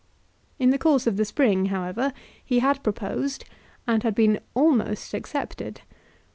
In the course of the Spring, however, he had proposed, and had been almost accepted.